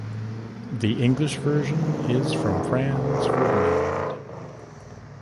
The English version is from "Franz Ferdinand".